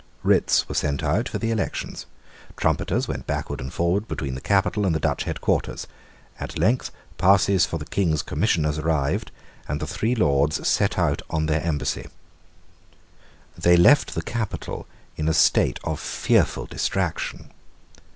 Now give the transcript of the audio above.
Writs were sent out for the elections. Trumpeters went backward and forward between the capital and the Dutch headquarters. At length passes for the king's Commissioners arrived; and the three Lords set out on their embassy. They left the capital in a state of fearful distraction.